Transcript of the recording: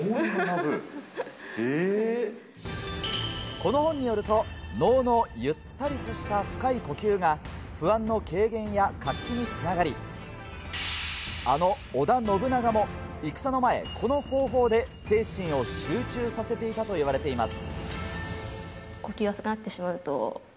この本によると、能のゆったりとした深い呼吸が不安の軽減や活気につながり、あの織田信長も戦の前、この方法で精神を集中させていたといわれています。